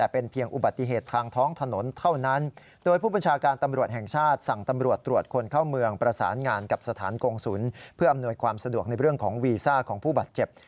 เพื่ออำนวยความสะดวกในเรื่องของวีซ่าของผู้บาดเจ็บ